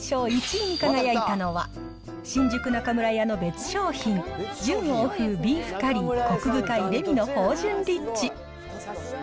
１位に輝いたのは、新宿中村屋の別商品、純欧風ビーフカリーコク深いデミの芳醇リッチ。